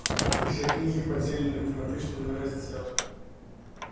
Усе кнігі падзеленыя тэматычна на раздзелы.